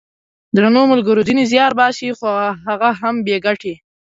درنو ملګرو ! ځینې زیار باسي خو هغه هم بې ګټې!